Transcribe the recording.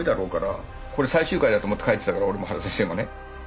これ最終回だと思って書いてたから俺も原先生もね。